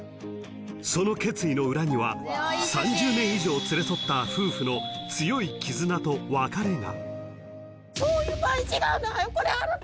［その決意の裏には３０年以上連れ添った夫婦の強い絆と別れが］